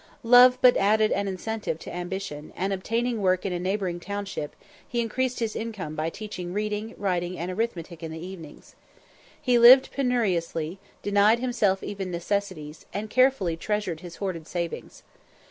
Love but added an incentive to ambition; and obtaining work in a neighbouring township, he increased his income by teaching reading, writing, and arithmetic in the evenings. He lived penuriously, denied himself even necessaries, and carefully treasured his hoarded savings.